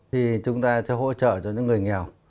thì chúng ta sẽ hỗ trợ cho những người nghèo